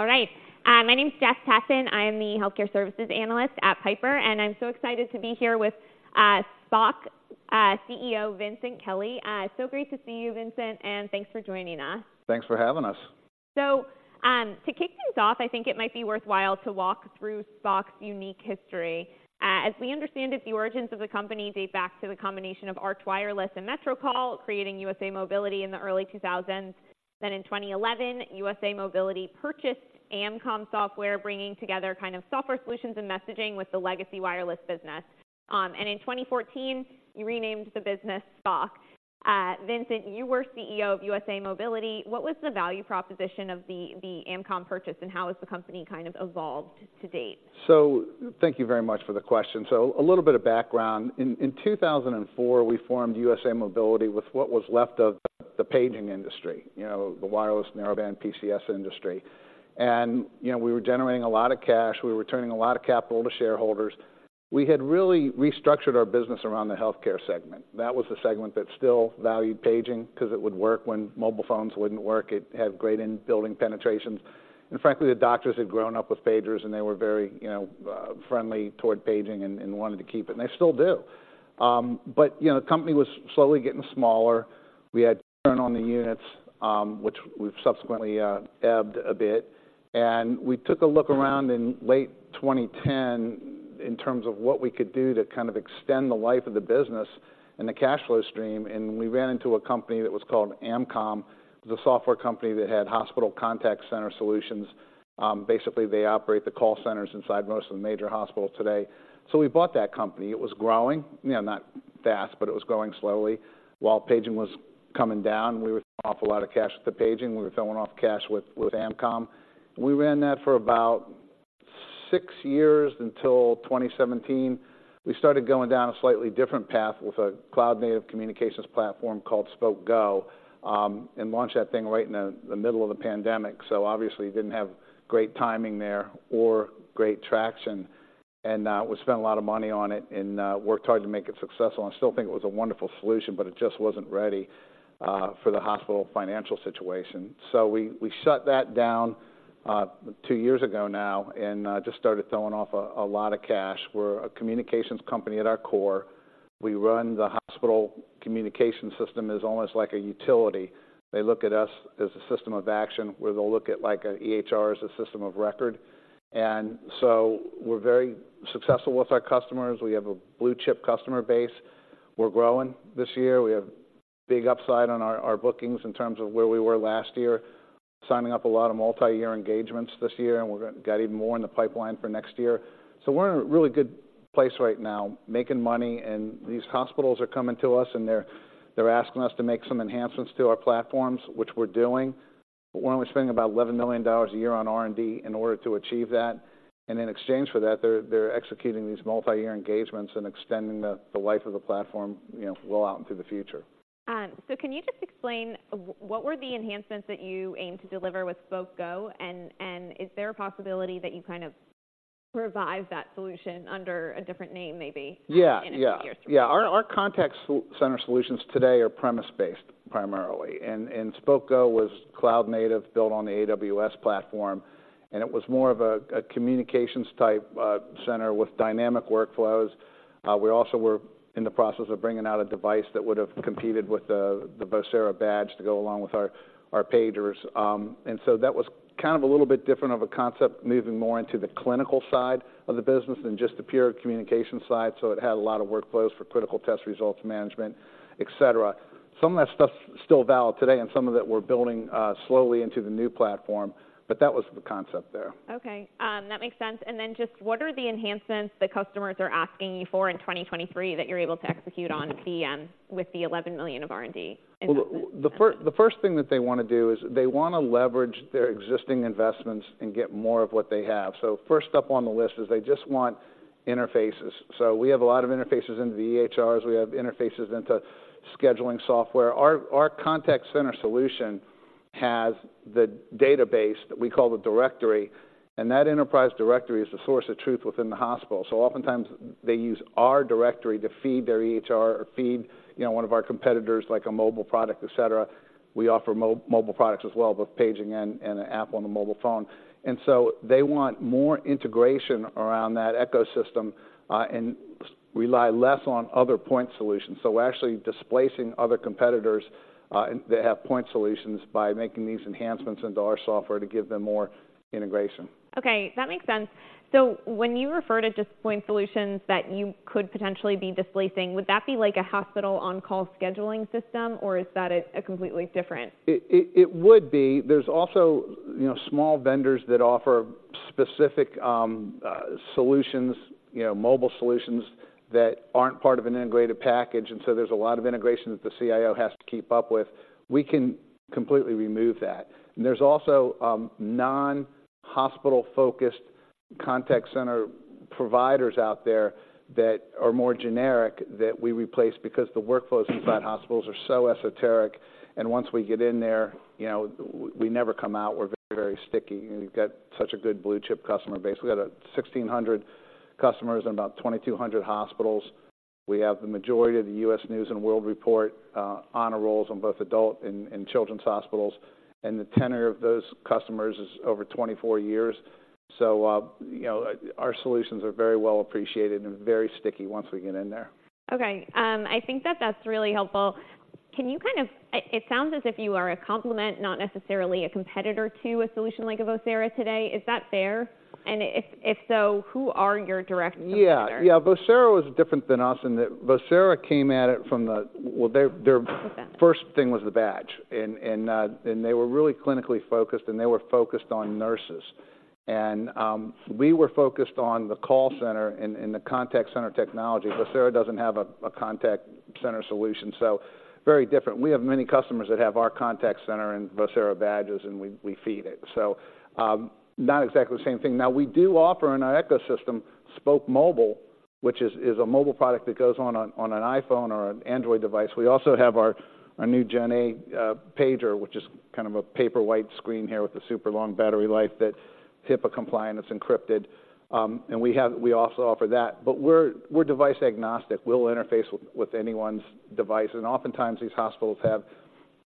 All right, my name's Jessica Tassan. I am the healthcare services analyst at Piper, and I'm so excited to be here with Spok CEO Vincent Kelly. It's so great to see you, Vincent, and thanks for joining us. Thanks for having us. So, to kick things off, I think it might be worthwhile to walk through Spok's unique history. As we understand it, the origins of the company date back to the combination of Arch Wireless and Metrocall, creating USA Mobility in the early 2000s. Then in 2011, USA Mobility purchased Amcom Software, bringing together kind of software solutions and messaging with the legacy wireless business. And in 2014, you renamed the business Spok. Vincent, you were CEO of USA Mobility. What was the value proposition of the, the Amcom purchase, and how has the company kind of evolved to date? Thank you very much for the question. A little bit of background. In 2004, we formed USA Mobility with what was left of the paging industry, you know, the wireless Narrowband PCS industry. And, you know, we were generating a lot of cash. We were returning a lot of capital to shareholders. We had really restructured our business around the healthcare segment. That was the segment that still valued paging because it would work when mobile phones wouldn't work. It had great in-building penetrations, and frankly, the doctors had grown up with pagers, and they were very, you know, friendly toward paging and wanted to keep it, and they still do. But, you know, the company was slowly getting smaller. We had churn on the units, which we've subsequently ebbed a bit, and we took a look around in late 2010 in terms of what we could do to kind of extend the life of the business and the cash flow stream, and we ran into a company that was called Amcom. It was a software company that had hospital contact center solutions. Basically, they operate the call centers inside most of the major hospitals today. So we bought that company. It was growing, you know, not fast, but it was growing slowly. While paging was coming down, we were off a lot of cash with the paging. We were throwing off cash with Amcom. We ran that for about six years until 2017. We started going down a slightly different path with a cloud-native communications platform called Spok Go and launched that thing right in the middle of the pandemic. So obviously, didn't have great timing there or great traction, and we spent a lot of money on it and worked hard to make it successful. I still think it was a wonderful solution, but it just wasn't ready for the hospital financial situation. So we shut that down two years ago now and just started throwing off a lot of cash. We're a communications company at our core. We run the hospital communication system as almost like a utility. They look at us as a system of action, where they'll look at like an EHR as a system of record. And so we're very successful with our customers. We have a blue-chip customer base. We're growing this year. We have big upside on our, our bookings in terms of where we were last year, signing up a lot of multi-year engagements this year, and we're got even more in the pipeline for next year. So we're in a really good place right now, making money, and these hospitals are coming to us, and they're, they're asking us to make some enhancements to our platforms, which we're doing. But why are we spending about $11 million a year on R&D in order to achieve that? And in exchange for that, they're, they're executing these multiyear engagements and extending the, the life of the platform, you know, well out into the future. So, can you just explain what were the enhancements that you aimed to deliver with Spok Go? And is there a possibility that you kind of revive that solution under a different name, maybe- Yeah. In a few years? Yeah. Yeah. Our contact center solutions today are premise-based primarily, and Spok Go was cloud native, built on the AWS platform, and it was more of a communications type center with dynamic workflows. We also were in the process of bringing out a device that would have competed with the Vocera Badge to go along with our pagers. And so that was kind of a little bit different of a concept, moving more into the clinical side of the business than just the pure communication side. So it had a lot of workflows for critical test results management, et cetera. Some of that stuff is still valid today, and some of it we're building slowly into the new platform, but that was the concept there. Okay. That makes sense. And then just what are the enhancements that customers are asking you for in 2023 that you're able to execute on with the $11 million of R&D investments? Well, the first, the first thing that they wanna do is they wanna leverage their existing investments and get more of what they have. So first up on the list is they just want interfaces. So we have a lot of interfaces into the EHRs. We have interfaces into scheduling software. Our, our contact center solution has the database that we call the directory, and that enterprise directory is the source of truth within the hospital. So oftentimes, they use our directory to feed their EHR or feed, you know, one of our competitors, like a mobile product, et cetera. We offer mobile products as well, both paging and an app on a mobile phone. And so they want more integration around that ecosystem, and rely less on other point solutions. So we're actually displacing other competitors that have point solutions by making these enhancements into our software to give them more integration. Okay, that makes sense. So when you refer to just point solutions that you could potentially be displacing, would that be like a hospital on-call scheduling system, or is that a completely different- There's also, you know, small vendors that offer specific solutions, you know, mobile solutions that aren't part of an integrated package, and so there's a lot of integration that the CIO has to keep up with. We can completely remove that. And there's also non-hospital-focused contact center providers out there that are more generic that we replace because the workflows inside hospitals are so esoteric, and once we get in there, you know, we never come out. We're very sticky, and we've got such a good blue-chip customer base. We've got 1,600 customers in about 2,200 hospitals. We have the majority of the U.S. News & World Report Honor Rolls on both adult and children's hospitals, and the tenure of those customers is over 24 years. You know, our solutions are very well appreciated and very sticky once we get in there. Okay. I think that's really helpful. It sounds as if you are a complement, not necessarily a competitor to a solution like a Vocera today. Is that fair? And if so, who are your direct competitors? Yeah, yeah. Vocera was different than us in that Vocera came at it from the—well, their, their first thing was the badge, and, and, and they were really clinically focused, and they were focused on nurses. And, we were focused on the call center and, and the contact center technology. Vocera doesn't have a, a contact center solution, so very different. We have many customers that have our contact center and Vocera badges, and we, we feed it. So, not exactly the same thing. Now, we do offer in our ecosystem, Spok Mobile, which is, is a mobile product that goes on a, on an iPhone or an Android device. We also have our, our new GenA pager, which is kind of a paperwhite screen here with a super long battery life that's HIPAA compliant, it's encrypted. We also offer that, but we're device agnostic. We'll interface with anyone's device, and oftentimes these hospitals have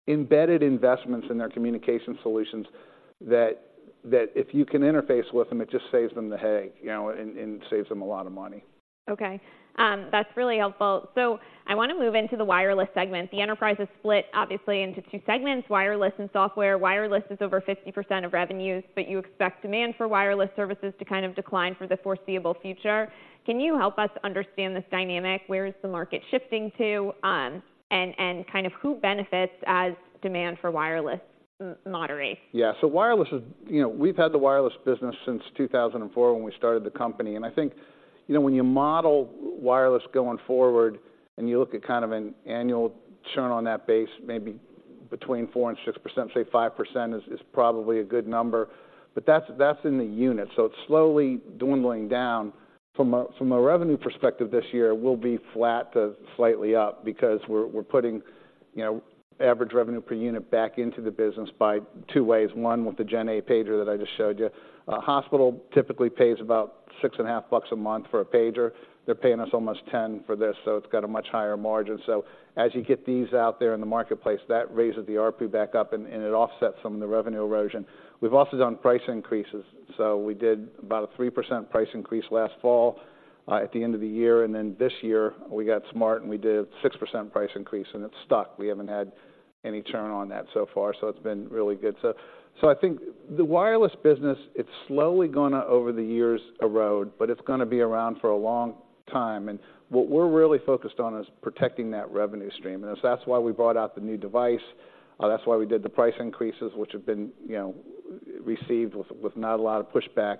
embedded investments in their communication solutions that if you can interface with them, it just saves them the headache, you know, and saves them a lot of money. Okay. That's really helpful. So I want to move into the wireless segment. The enterprise is split, obviously, into two segments, wireless and software. Wireless is over 50% of revenues, but you expect demand for wireless services to kind of decline for the foreseeable future. Can you help us understand this dynamic? Where is the market shifting to, and kind of who benefits as demand for wireless moderates? Yeah. So wireless is... You know, we've had the wireless business since 2004 when we started the company, and I think, you know, when you model wireless going forward, and you look at kind of an annual churn on that base, maybe between 4%-6%, say 5% is probably a good number, but that's in the unit. So it's slowly dwindling down. From a revenue perspective, this year will be flat to slightly up because we're putting, you know, average revenue per unit back into the business by two ways. One, with the GenA pager that I just showed you. A hospital typically pays about $6.50 a month for a pager. They're paying us almost $10 for this, so it's got a much higher margin. So as you get these out there in the marketplace, that raises the ARPU back up, and it offsets some of the revenue erosion. We've also done price increases, so we did about a 3% price increase last fall, at the end of the year, and then this year, we got smart, and we did a 6% price increase, and it stuck. We haven't had any churn on that so far, so it's been really good. So I think the wireless business, it's slowly gonna, over the years, erode, but it's gonna be around for a long time. And what we're really focused on is protecting that revenue stream, and so that's why we brought out the new device, that's why we did the price increases, which have been, you know, received with not a lot of pushback.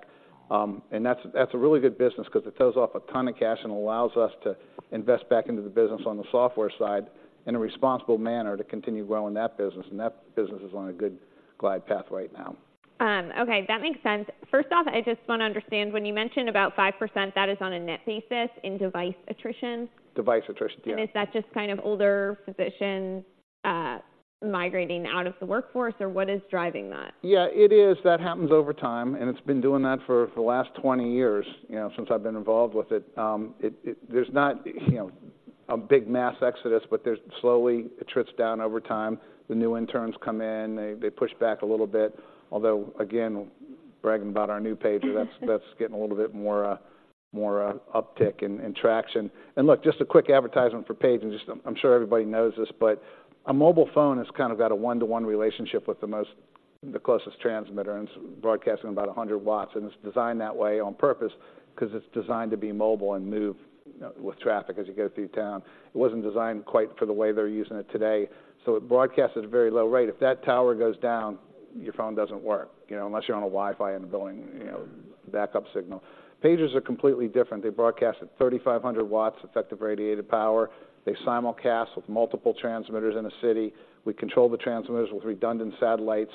That's a really good business because it throws off a ton of cash and allows us to invest back into the business on the software side in a responsible manner to continue growing that business, and that business is on a good glide path right now. Okay, that makes sense. First off, I just want to understand, when you mentioned about 5%, that is on a net basis in device attrition? Device attrition, yeah. Is that just kind of older physicians migrating out of the workforce, or what is driving that? Yeah, it is. That happens over time, and it's been doing that for the last 20 years, you know, since I've been involved with it. There's not, you know, a big mass exodus, but there's slowly, it trips down over time. The new interns come in, they push back a little bit. Although, again, bragging about our new pager, that's getting a little bit more uptick and traction. And look, just a quick advertisement for paging. Just, I'm sure everybody knows this, but a mobile phone has kind of got a one to one relationship with the closest transmitter, and it's broadcasting about 100 W, and it's designed that way on purpose because it's designed to be mobile and move, you know, with traffic as you go through town. It wasn't designed quite for the way they're using it today, so it broadcasts at a very low rate. If that tower goes down, your phone doesn't work, you know, unless you're on a Wi-Fi in the building, you know, backup signal. Pagers are completely different. They broadcast at 3,500 W effective radiated power. They simulcast with multiple transmitters in a city. We control the transmitters with redundant satellites.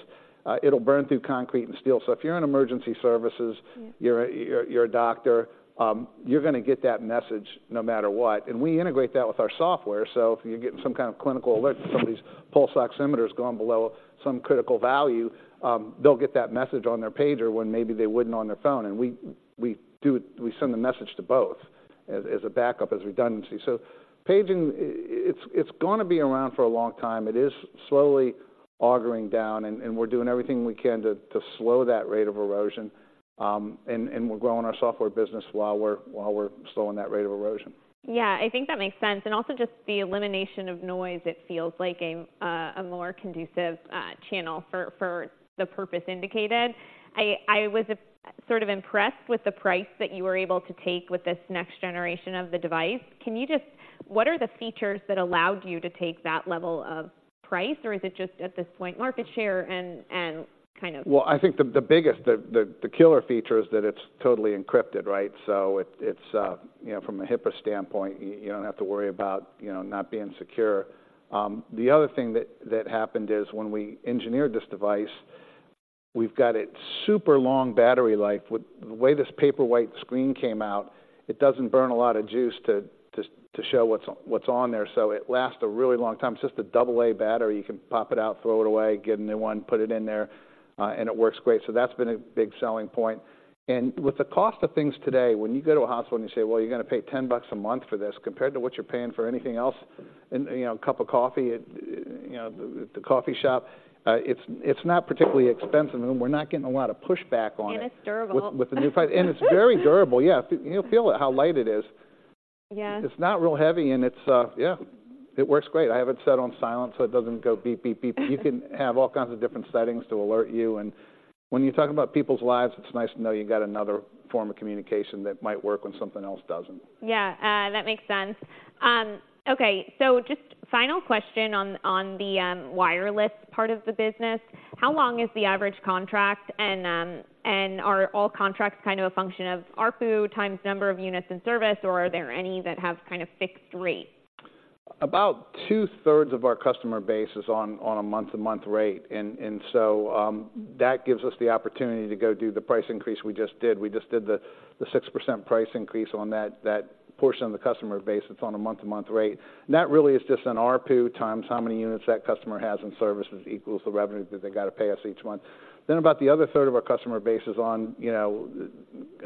It'll burn through concrete and steel. So if you're in emergency services- Mm-hmm. You're a doctor, you're gonna get that message no matter what. And we integrate that with our software, so if you're getting some kind of clinical alert, somebody's pulse oximeter has gone below some critical value, they'll get that message on their pager when maybe they wouldn't on their phone. And we do. We send the message to both as a backup, as redundancy. So paging, it's gonna be around for a long time. It is slowly augering down, and we're doing everything we can to slow that rate of erosion. And we're growing our software business while we're slowing that rate of erosion. Yeah, I think that makes sense, and also just the elimination of noise. It feels like a more conducive channel for the purpose indicated. I was sort of impressed with the price that you were able to take with this next generation of the device. Can you just... What are the features that allowed you to take that level of price, or is it just, at this point, market share and kind of- Well, I think the biggest killer feature is that it's totally encrypted, right? So it's, you know, from a HIPAA standpoint, you don't have to worry about, you know, not being secure. The other thing that happened is when we engineered this device, we've got it super long battery life. With the way this paperwhite screen came out, it doesn't burn a lot of juice to show what's on there, so it lasts a really long time. It's just a double A battery. You can pop it out, throw it away, get a new one, put it in there, and it works great. So that's been a big selling point. With the cost of things today, when you go to a hospital, and you say: "Well, you're gonna pay $10 a month for this," compared to what you're paying for anything else, and, you know, a cup of coffee, you know, the coffee shop. It's not particularly expensive, and we're not getting a lot of pushback on it- It's durable. with the new price. And it's very durable. Yeah, you'll feel it, how light it is. Yeah. It's not real heavy, and it's. Yeah, it works great. I have it set on silent, so it doesn't go beep, beep, beep. You can have all kinds of different settings to alert you, and when you talk about people's lives, it's nice to know you've got another form of communication that might work when something else doesn't. Yeah, that makes sense. Okay, so just final question on the wireless part of the business. How long is the average contract, and are all contracts kind of a function of ARPU times number of units in service, or are there any that have kind of fixed rates? About two-thirds of our customer base is on a month-to-month rate. And so that gives us the opportunity to go do the price increase we just did. We just did the 6% price increase on that portion of the customer base that's on a month-to-month rate. And that really is just an ARPU times how many units that customer has in services, equals the revenue that they got to pay us each month. Then, about the other third of our customer base is on, you know,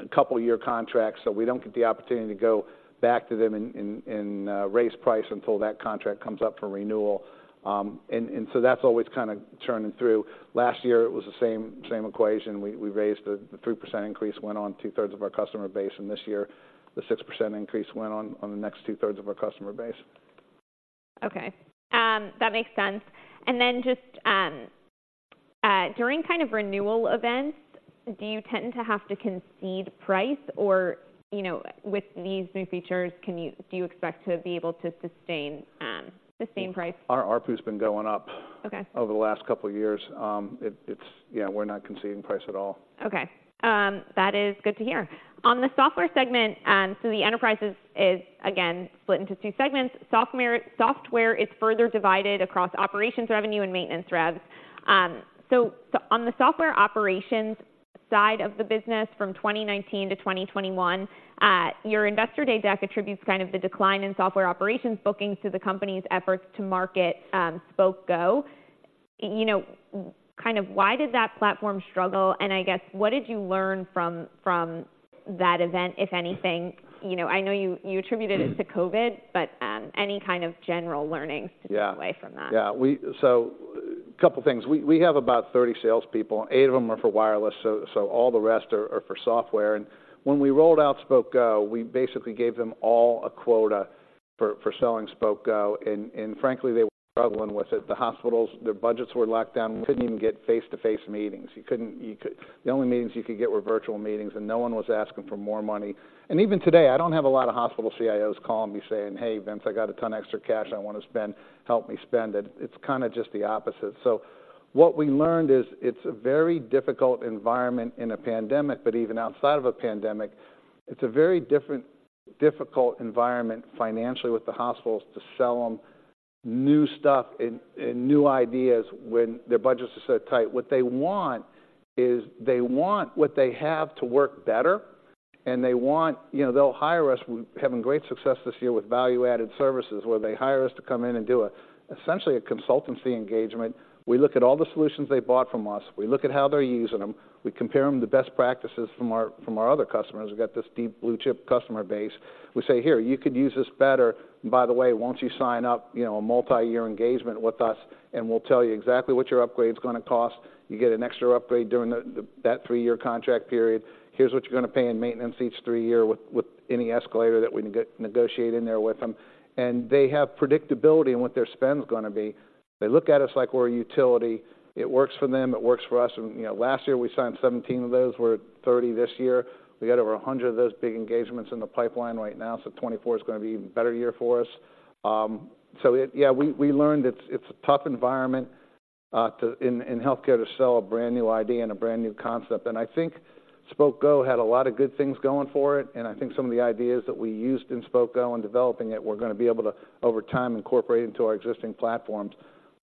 a couple year contracts, so we don't get the opportunity to go back to them and raise price until that contract comes up for renewal. And so that's always kind of churning through. Last year it was the same equation. We raised the... The 3% increase went on 2/3 of our customer base, and this year, the 6% increase went on the next 2/3 of our customer base. Okay, that makes sense. Then just during kind of renewal events, do you tend to have to concede price or, you know, with these new features, do you expect to be able to sustain the same price? Our ARPU has been going up- Okay Over the last couple of years. It's... Yeah, we're not conceding price at all. Okay. That is good to hear. On the software segment, so the enterprises is, again, split into two segments. Software, software is further divided across operations revenue and maintenance revs. So, on the software operations side of the business, from 2019 to 2021, your investor day deck attributes kind of the decline in software operations bookings to the company's efforts to market Spok Go. You know, kind of why did that platform struggle? And I guess, what did you learn from that event, if anything? You know, I know you attributed it to COVID, but any kind of general learnings- Yeah to take away from that? Yeah, so a couple of things. We have about 30 salespeople. Eight of them are for wireless, so all the rest are for software. And when we rolled out Spok Go, we basically gave them all a quota for selling Spok Go, and frankly, they were struggling with it. The hospitals, their budgets were locked down. We couldn't even get face-to-face meetings. You couldn't. You could. The only meetings you could get were virtual meetings, and no one was asking for more money. And even today, I don't have a lot of hospital CIOs calling me saying, "Hey, Vince, I got a ton of extra cash I want to spend. Help me spend it." It's kind of just the opposite. So what we learned is it's a very difficult environment in a pandemic, but even outside of a pandemic, it's a very different, difficult environment financially with the hospitals to sell them new stuff and, and new ideas when their budgets are so tight. What they want is they want what they have to work better, and they want... You know, they'll hire us. We're having great success this year with value-added services, where they hire us to come in and do a, essentially a consultancy engagement. We look at all the solutions they bought from us. We look at how they're using them. We compare them to best practices from our, from our other customers. We've got this deep blue-chip customer base. We say: Here, you could use this better. By the way, why don't you sign up, you know, a multi-year engagement with us, and we'll tell you exactly what your upgrade's gonna cost. You get an extra upgrade during that three-year contract period. Here's what you're gonna pay in maintenance each three-year with any escalator that we negotiate in there with them. And they have predictability in what their spend's gonna be. They look at us like we're a utility. It works for them. It works for us. And, you know, last year we signed 17 of those. We're at 30 this year. We got over 100 of those big engagements in the pipeline right now, so 2024 is gonna be an even better year for us. So it... Yeah, we learned it's a tough environment in healthcare to sell a brand-new idea and a brand-new concept. I think Spok Go had a lot of good things going for it, and I think some of the ideas that we used in Spok Go and developing it, we're gonna be able to, over time, incorporate into our existing platforms.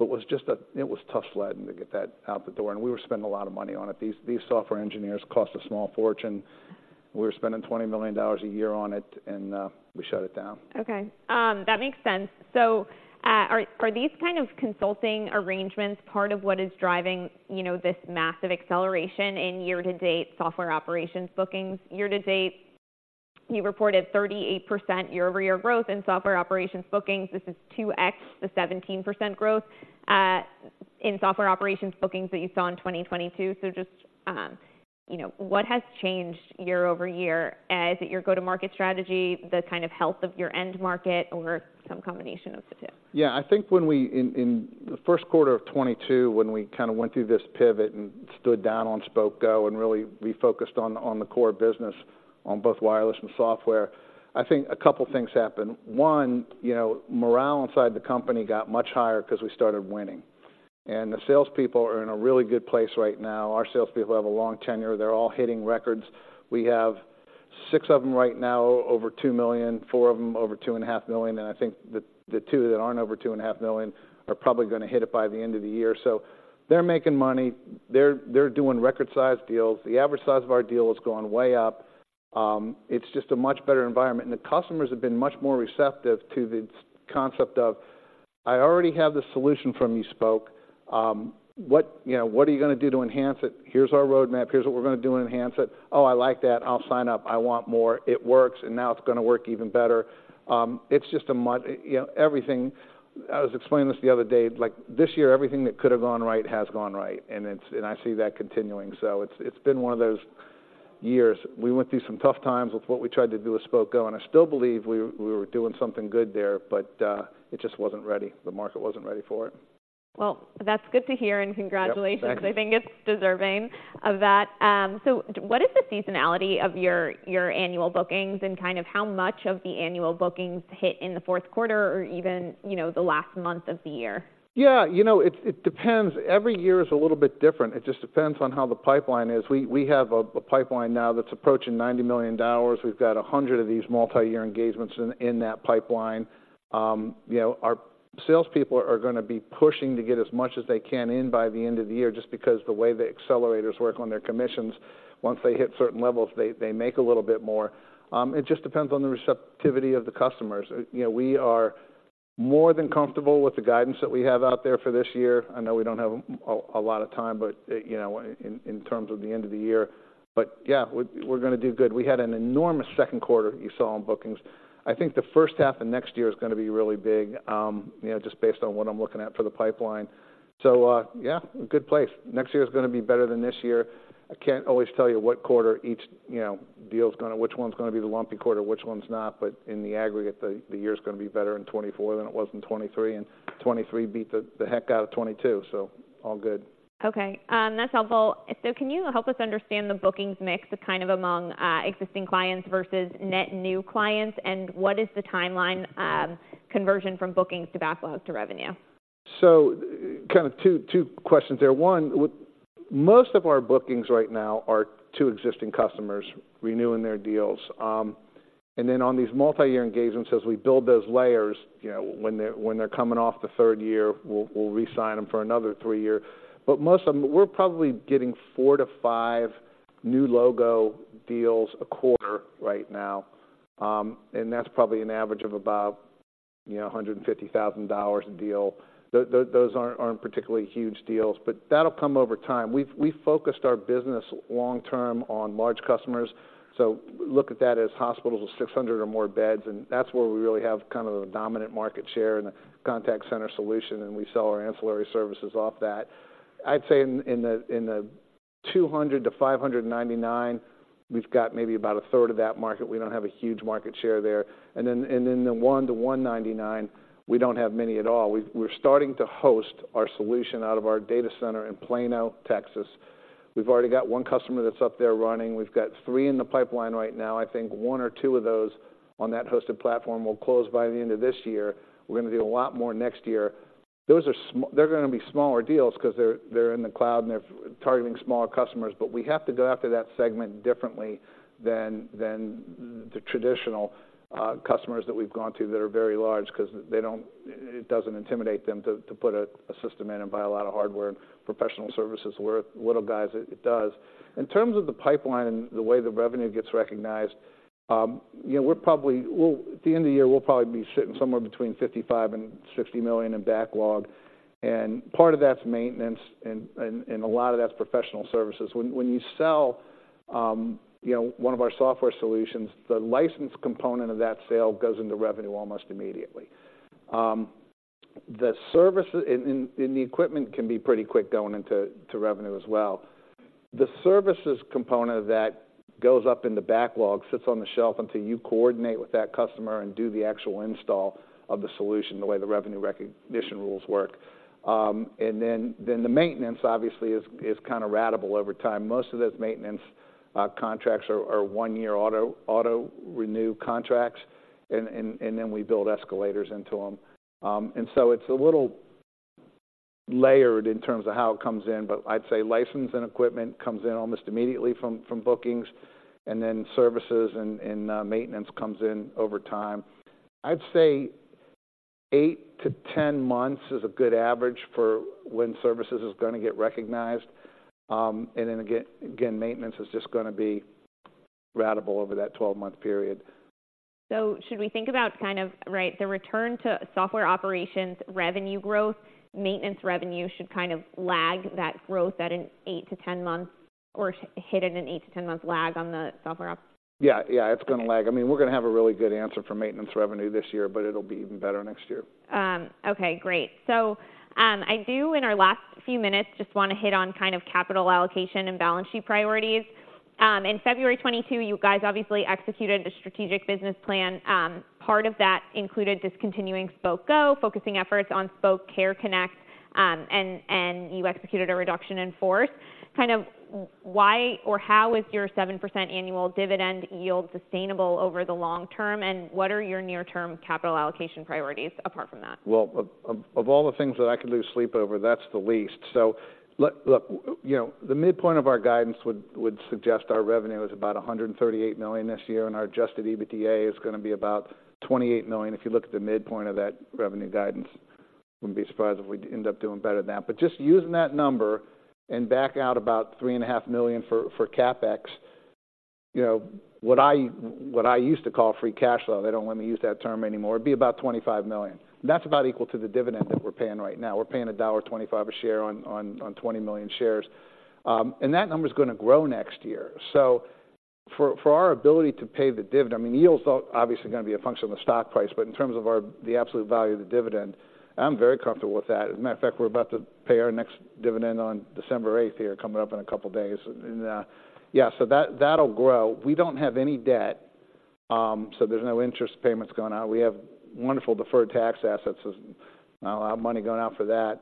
It was tough sledding to get that out the door, and we were spending a lot of money on it. These software engineers cost a small fortune. We were spending $20 million a year on it, and we shut it down. Okay. That makes sense. So, are these kind of consulting arrangements part of what is driving, you know, this massive acceleration in year-to-date software operations bookings? Year-to-date, you reported 38% year-over-year growth in software operations bookings. This is 2x the 17% growth in software operations bookings that you saw in 2022. So just, you know, what has changed year-over-year? Is it your go-to-market strategy, the kind of health of your end market, or some combination of the two? Yeah, I think in the first quarter of 2022, when we kind of went through this pivot and stood down on Spok Go and really refocused on the core business, on both wireless and software, I think a couple things happened. One, you know, morale inside the company got much higher because we started winning, and the salespeople are in a really good place right now. Our salespeople have a long tenure. They're all hitting records. We have six of them right now, over $2 million, four of them over $2.5 million, and I think the two that aren't over $2.5 million are probably gonna hit it by the end of the year. So they're making money. They're doing record-sized deals. The average size of our deal has gone way up. It's just a much better environment, and the customers have been much more receptive to the concept of: "I already have the solution from you, Spok. What, you know, what are you gonna do to enhance it?" "Here's our roadmap, here's what we're gonna do to enhance it." "Oh, I like that. I'll sign up. I want more." It works, and now it's gonna work even better. You know, everything. I was explaining this the other day, like, this year, everything that could have gone right has gone right, and it's, and I see that continuing. So it's, it's been one of those years. We went through some tough times with what we tried to do with Spok Go, and I still believe we, we were doing something good there, but, it just wasn't ready. The market wasn't ready for it. Well, that's good to hear, and congratulations. Yep, thank you. I think it's deserving of that. So what is the seasonality of your annual bookings, and kind of how much of the annual bookings hit in the fourth quarter or even, you know, the last month of the year? Yeah, you know, it depends. Every year is a little bit different. It just depends on how the pipeline is. We have a pipeline now that's approaching $90 million. We've got 100 of these multiyear engagements in that pipeline. You know, our salespeople are gonna be pushing to get as much as they can in by the end of the year just because the way the accelerators work on their commissions, once they hit certain levels, they make a little bit more. It just depends on the receptivity of the customers. You know, we are more than comfortable with the guidance that we have out there for this year. I know we don't have a lot of time, but you know, in terms of the end of the year, but yeah, we're gonna do good. We had an enormous second quarter you saw in bookings. I think the first half of next year is gonna be really big, you know, just based on what I'm looking at for the pipeline. So, yeah, a good place. Next year is gonna be better than this year. I can't always tell you what quarter each, you know, deal's gonna—which one's gonna be the lumpy quarter, which one's not, but in the aggregate, the year's gonna be better in 2024 than it was in 2023, and 2023 beat the heck out of 2022, so all good. Okay, that's helpful. So can you help us understand the bookings mix kind of among, existing clients versus net new clients, and what is the timeline of conversion from bookings to backlog to revenue? So kind of two questions there. One, with most of our bookings right now are to existing customers renewing their deals. And then on these multiyear engagements, as we build those layers, you know, when they're coming off the third year, we'll re-sign them for another three year. But most of them. We're probably getting four to five new logo deals a quarter right now, and that's probably an average of about, you know, $150,000 a deal. Those aren't particularly huge deals, but that'll come over time. We focused our business long term on large customers, so look at that as hospitals with 600 or more beds, and that's where we really have kind of the dominant market share in the contact center solution, and we sell our ancillary services off that. I'd say in the 200-599, we've got maybe about a third of that market. We don't have a huge market share there. And then in the one to 199, we don't have many at all. We're starting to host our solution out of our data center in Plano, Texas. We've already got one customer that's up there running. We've got three in the pipeline right now. I think one or two of those on that hosted platform will close by the end of this year. We're gonna do a lot more next year. Those are—they're gonna be smaller deals 'cause they're in the cloud, and they're targeting smaller customers, but we have to go after that segment differently than the traditional customers that we've gone to that are very large 'cause they don't—it doesn't intimidate them to put a system in and buy a lot of hardware and professional services. Where little guys, it does. In terms of the pipeline and the way the revenue gets recognized, you know, we'll probably—at the end of the year, we'll probably be sitting somewhere between $55 million and $60 million in backlog, and part of that's maintenance, and a lot of that's professional services. When you sell, you know, one of our software solutions, the license component of that sale goes into revenue almost immediately. The service and the equipment can be pretty quick going into revenue as well. The services component of that goes up in the backlog, sits on the shelf until you coordinate with that customer and do the actual install of the solution, the way the revenue recognition rules work. And then the maintenance, obviously, is kind of ratable over time. Most of those maintenance contracts are one year auto renew contracts, and then we build escalators into them. And so it's a little layered in terms of how it comes in, but I'd say license and equipment comes in almost immediately from bookings, and then services and maintenance comes in over time. I'd say eight to 10 months is a good average for when services is gonna get recognized. And then again, maintenance is just gonna be ratable over that 12-month period. Should we think about kind of, right, the return to software operations, revenue growth, maintenance revenue should kind of lag that growth at an eight to 10 months or hit at an eight to 10-month lag on the software op? Yeah, yeah, it's gonna lag. Okay. I mean, we're gonna have a really good answer for maintenance revenue this year, but it'll be even better next year. Okay, great. So, in our last few minutes, just wanna hit on kind of capital allocation and balance sheet priorities. In February 2022, you guys obviously executed a strategic business plan. Part of that included discontinuing Spok Go, focusing efforts on Spok Care Connect, and you executed a reduction in force. Kind of why or how is your 7% annual dividend yield sustainable over the long term, and what are your near-term capital allocation priorities apart from that? Well, of all the things that I could lose sleep over, that's the least. So look, you know, the midpoint of our guidance would suggest our revenue is about $138 million this year, and our adjusted EBITDA is gonna be about $28 million. If you look at the midpoint of that revenue guidance, wouldn't be surprised if we end up doing better than that. But just using that number and back out about $3.5 million for CapEx, you know, what I used to call free cash flow, they don't let me use that term anymore, it'd be about $25 million. That's about equal to the dividend that we're paying right now. We're paying $1.25 a share on 20 million shares. And that number is gonna grow next year. So for our ability to pay the dividend, I mean, yields are obviously gonna be a function of the stock price, but in terms of our the absolute value of the dividend, I'm very comfortable with that. As a matter of fact, we're about to pay our next dividend on December eighth here, coming up in a couple of days. And yeah, so that, that'll grow. We don't have any debt, so there's no interest payments going out. We have wonderful deferred tax assets, so not a lot of money going out for that.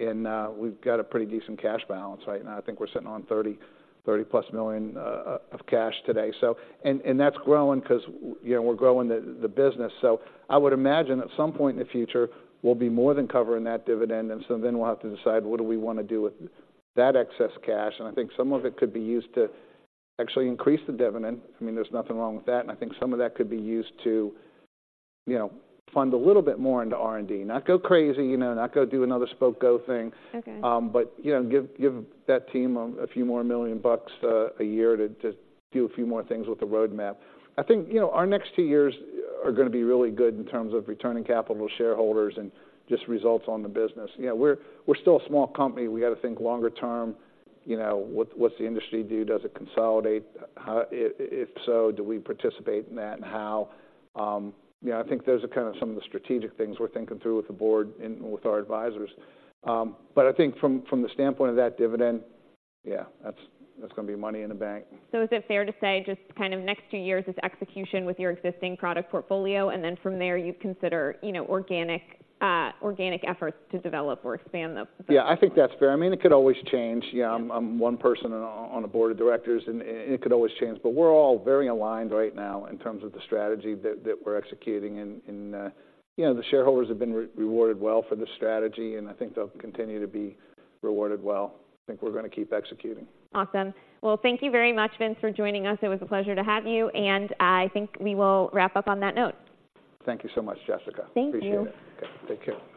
And we've got a pretty decent cash balance right now. I think we're sitting on $30+ million of cash today, so. And that's growing 'cause, you know, we're growing the business. So I would imagine at some point in the future, we'll be more than covering that dividend, and so then we'll have to decide what do we wanna do with that excess cash. And I think some of it could be used to actually increase the dividend. I mean, there's nothing wrong with that, and I think some of that could be used to, you know, fund a little bit more into R&D. Not go crazy, you know, not go do another Spok Go thing. Okay. But, you know, give that team a few more million bucks a year to do a few more things with the roadmap. I think, you know, our next two years are gonna be really good in terms of returning capital to shareholders and just results on the business. You know, we're still a small company. We got to think longer term, you know, what's the industry do? Does it consolidate? How, if so, do we participate in that, and how? You know, I think those are kind of some of the strategic things we're thinking through with the board and with our advisors. But I think from the standpoint of that dividend, yeah, that's gonna be money in the bank. So, is it fair to say just kind of next two years is execution with your existing product portfolio, and then from there, you'd consider, you know, organic, organic efforts to develop or expand the- Yeah, I think that's fair. I mean, it could always change. Yeah, I'm one person on a board of directors, and it could always change. But we're all very aligned right now in terms of the strategy that we're executing, and you know, the shareholders have been rewarded well for this strategy, and I think they'll continue to be rewarded well. I think we're gonna keep executing. Awesome. Well, thank you very much, Vince, for joining us. It was a pleasure to have you, and I think we will wrap up on that note. Thank you so much, Jessica. Thank you. Appreciate it. Okay. Take care.